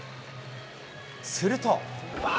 すると。